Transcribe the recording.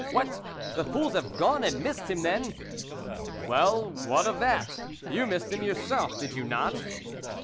" What ! the fools have gone and missed him, then !"" Well, what of that ? you missed him yourself, did you not